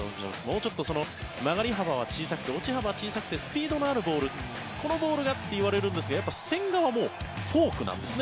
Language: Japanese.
もうちょっと曲がり幅は小さくて落ち幅は小さくてスピードのあるボールこのボールがといわれるんですが千賀はもう、フォークなんですね